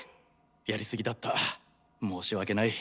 やりすぎだった申し訳ない。